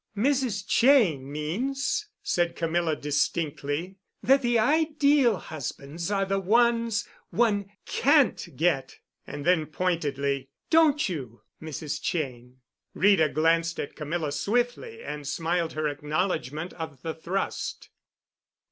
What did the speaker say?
"Mrs. Cheyne means," said Camilla distinctly, "that the ideal husbands are the ones one can't get." And then, pointedly, "Don't you, Mrs. Cheyne?" Rita glanced at Camilla swiftly and smiled her acknowledgment of the thrust.